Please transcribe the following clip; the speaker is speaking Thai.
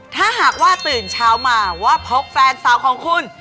ถ้าหากว่าตื่นเช้ามาว่าพบแฟนสาวของคุณ